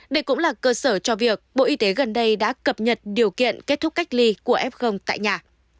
đây cũng là cơ sở cho việc bộ y tế gần đây đã cập nhật điều kiện kết thúc cách ly của f tại nhà